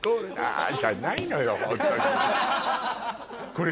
これ。